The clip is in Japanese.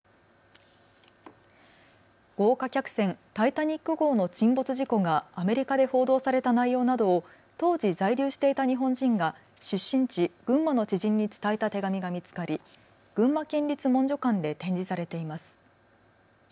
豪華客船、タイタニック号の沈没事故がアメリカで報道された内容などを当時、在留していた日本人が出身地、群馬の知人に伝えた手紙が見つかり群馬県立文書館で展示されています。